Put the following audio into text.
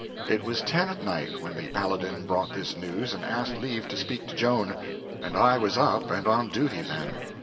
It was ten at night when the Paladin brought this news and asked leave to speak to Joan, and I was up and on duty then.